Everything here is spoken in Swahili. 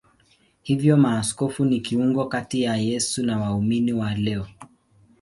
Hivyo maaskofu ni kiungo kati ya Yesu na waumini wa leo.